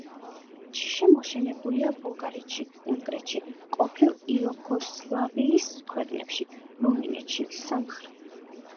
ჯიში მოშენებულია ბულგარეთში, უნგრეთში, ყოფილ იუგოსლავიის ქვეყნებში, რუმინეთში, სამხრ.